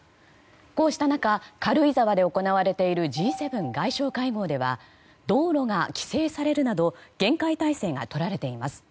こうした中軽井沢で行われているＧ７外相会合では道路が規制されるなど厳戒態勢がとられています。